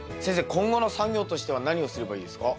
今後の作業としては何をすればいいですか？